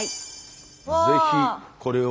ぜひこれを。